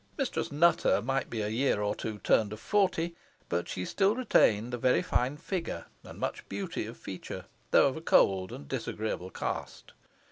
Mistress Nutter might be a year or two turned of forty, but she still retained a very fine figure, and much beauty of feature, though of a cold and disagreeable cast.